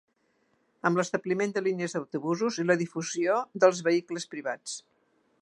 Amb l'establiment de línies d'autobusos i la difusió dels vehicles privats.